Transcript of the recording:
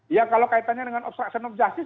ya kalau kaitannya dengan obstruction of justice